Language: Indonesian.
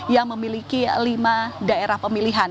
yang memiliki lima daerah pemilihan